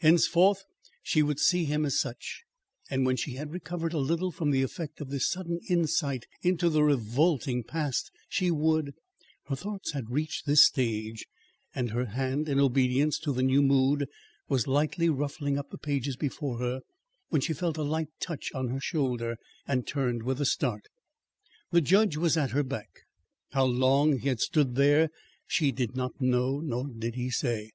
Henceforth, she would see him as such, and when she had recovered a little from the effect of this sudden insight into the revolting past, she would Her thoughts had reached this stage and her hand, in obedience to the new mood, was lightly ruffling up the pages before her, when she felt a light touch on her shoulder and turned with a start. The judge was at her back. How long he had stood there she did not know, nor did he say.